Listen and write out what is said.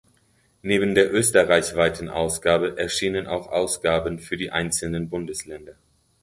Neben der österreichweiten Ausgabe erschienen auch Ausgaben für die einzelnen Bundesländer.